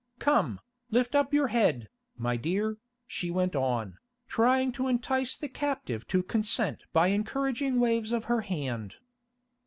"Come, lift up your head, my dear," she went on, trying to entice the captive to consent by encouraging waves of her hand.